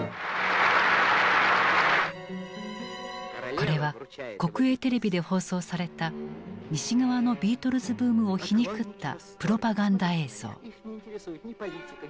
これは国営テレビで放送された西側のビートルズ・ブームを皮肉ったプロパガンダ映像。